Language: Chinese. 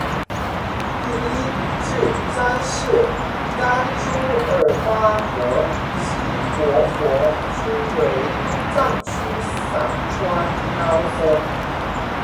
第一至三世甘珠尔巴格西活佛均为藏区散川高僧。